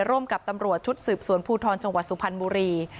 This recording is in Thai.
ร่วมกับตำรวจชุดสืบสวนภูทรจังหวัดสุพรรณบุรี